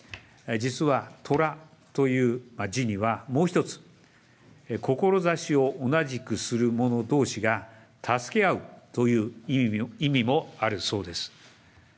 実はとらという字にはもう一つ、志を同じくする者どうしが助け合うという意味もあるそうです。